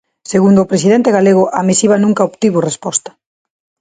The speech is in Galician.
Segundo o presidente galego, a misiva nunca obtivo resposta.